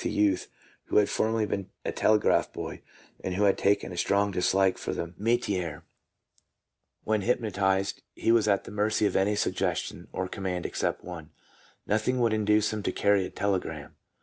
I was recently experimenting with a youth who had formerly been a telegraph boy, and who had taken a strong dislike to the metier. When hypno tized, he was at the mercy of any suggestion or command except one: nothing would induce him to carry a telegram.